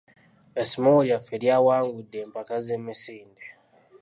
Essomero lyaffe lyawangudde empaka z'emisinde.